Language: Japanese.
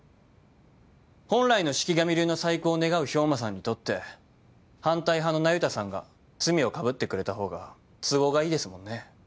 本来の四鬼神流の再興を願う兵馬さんにとって反対派の那由他さんが罪をかぶってくれた方が都合がいいですもんね。